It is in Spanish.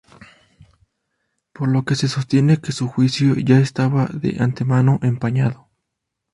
Por lo que se sostiene que su juicio ya estaba de antemano empañado.